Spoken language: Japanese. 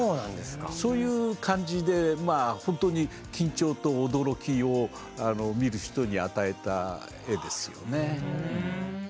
そういう感じでまあほんとに緊張と驚きを見る人に与えた絵ですよね。